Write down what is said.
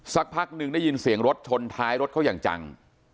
สักพักหนึ่งได้ยินเสียงรถชนท้ายรถเขาอย่างจัง